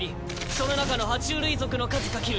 その中のは虫類族の数かける